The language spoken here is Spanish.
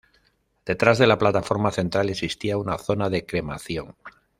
Detrás de la plataforma central existía una zona de cremación.